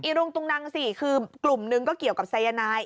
รุงตุงนังสิคือกลุ่มหนึ่งก็เกี่ยวกับสายนาย